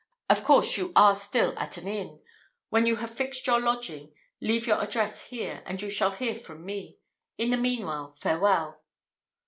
Of course, you are still at an inn; when you have fixed your lodging, leave your address here, and you shall hear from me. In the meanwhile, farewell!"